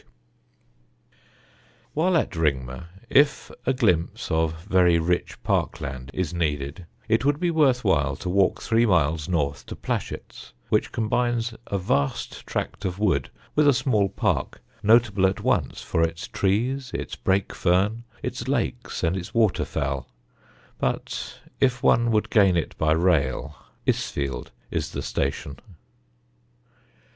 [Sidenote: PLASHETTS] While at Ringmer, if a glimpse of very rich park land is needed, it would be worth while to walk three miles north to Plashetts, which combines a vast tract of wood with a small park notable at once for its trees, its brake fern, its lakes, and its water fowl. But if one would gain it by rail, Isfield is the station.